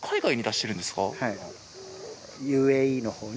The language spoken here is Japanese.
はい。